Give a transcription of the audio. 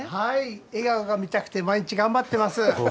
笑顔が見たくて、毎日頑張ってます。